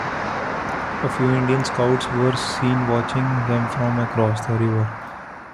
A few Indian scouts were seen watching them from across the river.